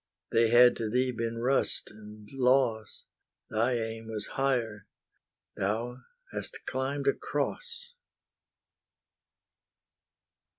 They had to thee been rust and loss; Thy aim was higher, thou hast climbed a Cross.